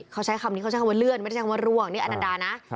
เขาใช้คำนี้เขาใช้คำว่าเลื่อนไม่ใช่คำว่าร่วงนี่อันนันดานะ